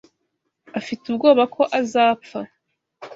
Afite ubwoba ko azapfa.